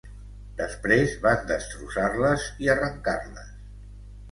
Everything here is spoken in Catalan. Després, van destrossar-les i arrencar-les.